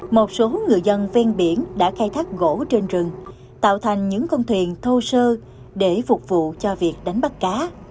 một số người dân ven biển đã khai thác gỗ trên rừng tạo thành những con thuyền thô sơ để phục vụ cho việc đánh bắt cá